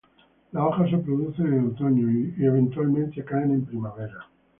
Las hojas se producen en otoño y eventualmente caen en primavera.